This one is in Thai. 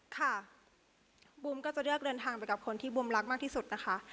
ค่ะบูมก็จะเลือกเดินทางไปกับคนที่บูมรักมากที่สุดนะคะ